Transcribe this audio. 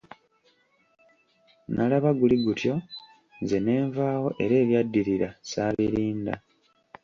Nalaba guli gutyo, nze nenvaawo era ebyaddirira, saabirinda.